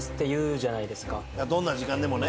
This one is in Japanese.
どんな時間でもね。